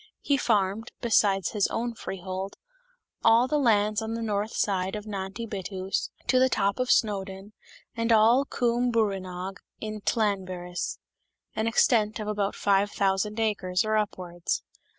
He farmed, besides his own freehold, all the lands on the north side of Nant y Bettws to the top of Snowdon, and all Cwm brwynog in Llanberis, an extent of about five thousand acres or upwards.